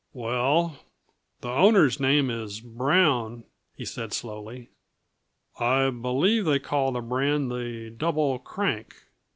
"Well, the owner's name is Brown," he said slowly. "I believe they call the brand the Double Crank.